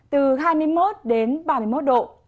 từ hai mươi một đến ba mươi một độ